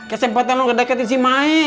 kesempatan lo kedeketin si mae